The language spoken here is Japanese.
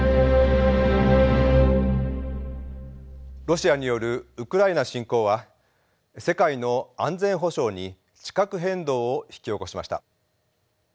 ロシアによるウクライナ侵攻は世界の安全保障に地殻変動を引き起こしました。